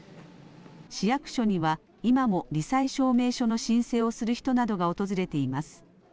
市役所には今もり災証明書の申請をする人などが訪れています。